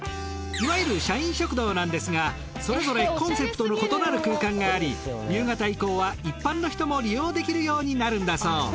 いわゆる社員食堂なんですがそれぞれコンセプトの異なる空間があり夕方以降は一般の人も利用できるようになるんだそう。